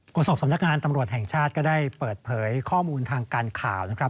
โศกสำนักงานตำรวจแห่งชาติก็ได้เปิดเผยข้อมูลทางการข่าวนะครับ